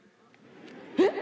えっ！